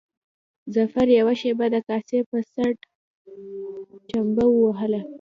ظفر يوه شېبه د کاسې په څټ چمبه ووهله.